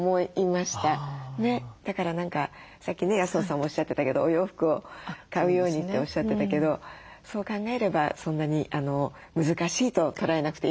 だから何かさっきね安野さんもおっしゃってたけどお洋服を買うようにっておっしゃってたけどそう考えればそんなに難しいと捉えなくていいのかもしれませんね。